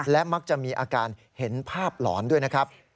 และมักจะมีอาการเห็นภาพหลอนด้วยนะครับ